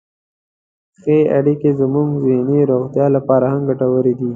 ښې اړیکې زموږ ذهني روغتیا لپاره هم ګټورې دي.